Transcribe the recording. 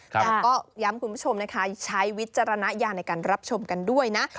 แต่ก็ย้ำคุณผู้ชมนะคะใช้วิจารณญาณในการรับชมกันด้วยนะ